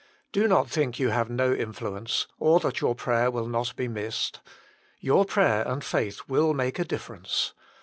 Do not think you have no influence, or that your prayer will not be missed. Your prayer and faith will make a difference.